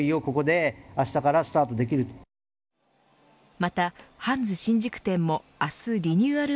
またハンズ新宿店も明日、リニューアル